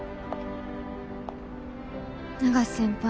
永瀬先輩